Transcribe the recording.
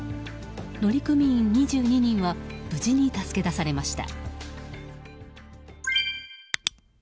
乗組員２２人は無事に助け出されました。